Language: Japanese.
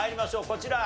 こちら。